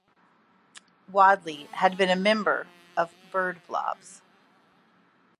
Wadley had been a member of Bird Blobs.